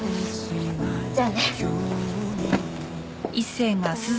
じゃあね。